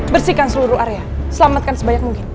bersihkan seluruh area selamatkan sebanyak mungkin